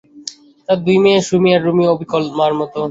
তাঁর দুই মেয়ে সুমী আর রুমীও অবিকল মার মতো।